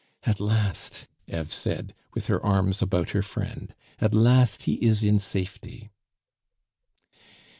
"At last!" Eve said, with her arms about her friend, "at last he is in safety."